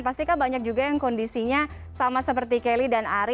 pastikan banyak juga yang kondisinya sama seperti kelly dan ari